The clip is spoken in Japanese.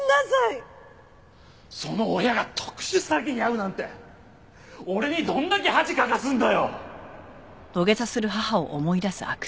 その親が特殊詐欺に遭うなんて俺にどんだけ恥かかすんだよ！